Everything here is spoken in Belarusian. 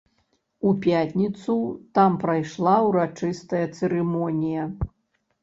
У пятніцу там прайшла ўрачыстая цырымонія.